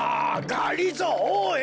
がりぞーおい！